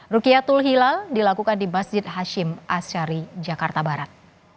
rukiatul hilal dilakukan di masjid hashim ashari jakarta barat